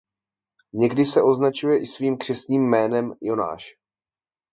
Někdy se označuje i svým křestním jménem "Jonáš".